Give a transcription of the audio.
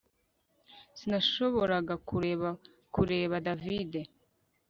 Sinashoboraga kureka kureba David